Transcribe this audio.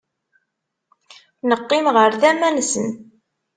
Neqqim ɣer tama-nnes.